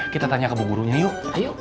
kita tanya ke bu gurunya yuk ayo